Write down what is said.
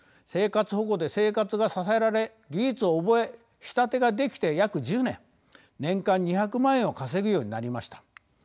生活保護で生活が支えられ技術を覚え仕立てができて約１０年年間２００万円を稼ぐようになりました。